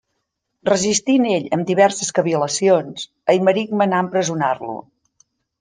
Resistint ell amb diverses cavil·lacions, Eimeric manà empresonar-lo.